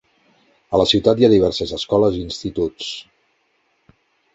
A la ciutat hi ha diverses escoles i instituts.